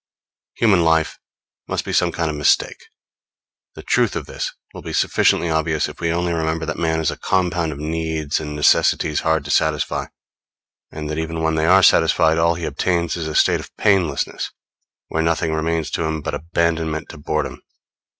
Human life must be some kind of mistake. The truth of this will be sufficiently obvious if we only remember that man is a compound of needs and necessities hard to satisfy; and that even when they are satisfied, all he obtains is a state of painlessness, where nothing remains to him but abandonment to boredom.